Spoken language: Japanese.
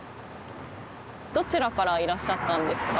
どちらからいらっしゃったんですか？